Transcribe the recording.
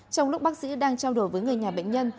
trong lúc bác sĩ đang trao đổi với người nhà bệnh nhân